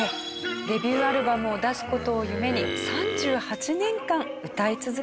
デビューアルバムを出す事を夢に３８年間歌い続けてきました。